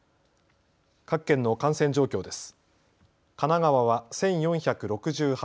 各県の感染状況です。